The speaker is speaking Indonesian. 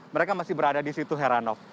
mereka masih berada di situ heranov